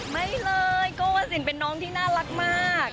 ไม่เลยโก้วสินเป็นน้องที่น่ารักมาก